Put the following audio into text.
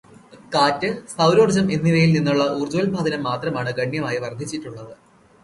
കാറ്റ്, സൗരോർജം എന്നിവയിൽ നിന്നുള്ള ഊർജോല്പാദനം മാത്രമാണ് ഗണ്യമായി വർധിച്ചിട്ടുള്ളത്.